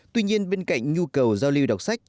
tuy nhiên bên cạnh nhu cầu giao lưu đọc sách